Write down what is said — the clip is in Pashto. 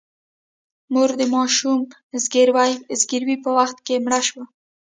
مور د ماشوم زوکړې په وخت کې مړه شوه.